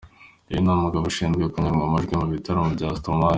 Uyu ni umugabo ushinzwe kuyungurura amajwi mu bitaramo bya Stromae.